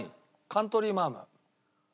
カントリーマアム。